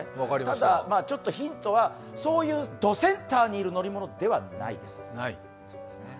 ただ、ヒントは、そういうどセンターにいる乗り物ではない。